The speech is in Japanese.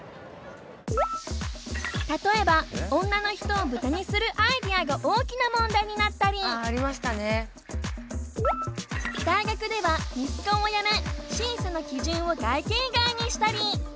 例えば女の人をブタにするアイデアが大きな問題になったり大学ではミスコンをやめ審査の基準を外見以外にしたり。